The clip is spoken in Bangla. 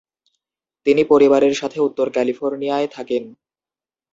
তিনি পরিবারের সাথে উত্তর ক্যালিফোর্নিয়ায় থাকেন।